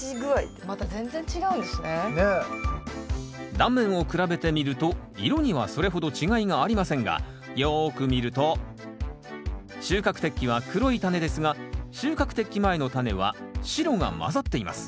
断面を比べてみると色にはそれほど違いがありませんがよく見ると収穫適期は黒いタネですが収穫適期前のタネは白が混ざっています。